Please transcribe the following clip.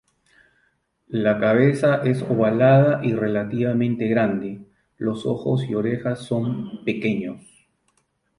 La cabeza es ovalada y relativamente grande; los ojos y orejas son pequeños.